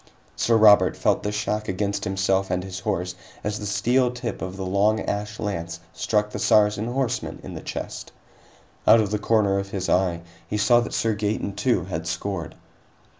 Sir Robert felt the shock against himself and his horse as the steel tip of the long ash lance struck the Saracen horseman in the chest. Out of the corner of his eye, he saw that Sir Gaeton, too, had scored.